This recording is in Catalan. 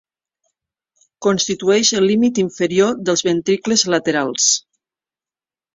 Constitueix el límit inferior dels ventricles laterals.